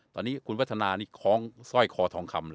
ตอนนี้คุณวัฒนานี่คล้องสร้อยคอทองคำเลย